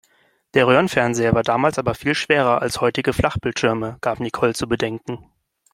Der Röhrenfernseher war damals aber viel schwerer als heutige Flachbildschirme, gab Nicole zu bedenken.